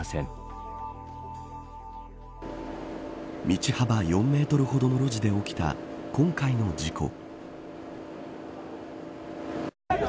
道幅４メートルほどの路地で起きた今回の事故。